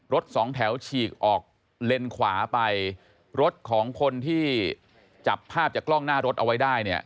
สองแถวฉีกออกเลนขวาไปรถของคนที่จับภาพจากกล้องหน้ารถเอาไว้ได้เนี่ย